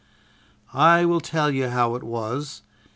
"I will tell you how it was.